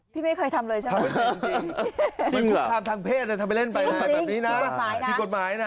ถี่ไม่ค่อยทำเลยใช่มั้ย